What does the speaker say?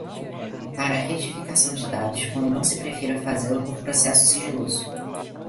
para a retificação de dados, quando não se prefira fazê-lo por processo sigiloso